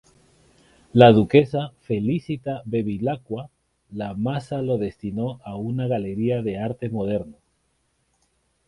La duquesa Felicita Bevilacqua La Masa lo destinó a una galería de arte moderno.